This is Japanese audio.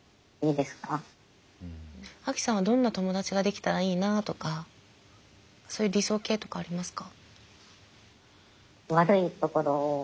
アキさんはどんな友だちができたらいいなとかそういう理想型とかありますか？